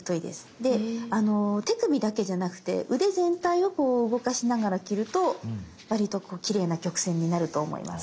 で手首だけじゃなくて腕全体をこう動かしながら切ると割とこうきれいな曲線になると思います。